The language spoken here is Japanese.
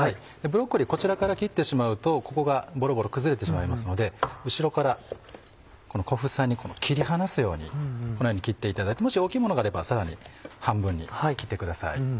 ブロッコリーこちらから切ってしまうとここがボロボロ崩れてしまいますので後ろから小房に切り離すようにこのように切っていただいてもし大きいものがあればさらに半分に切ってください。